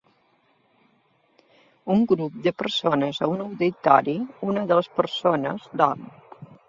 un grup de persones a un auditori, una de les persones dorm